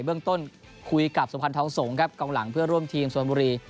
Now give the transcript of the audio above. เบื้องต้นคุยกับสุพรรณทองสงครับกองหลังเพื่อร่วมทีมชนบุรี